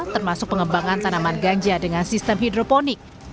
termasuk pengembangan tanaman ganja dengan sistem hidroponik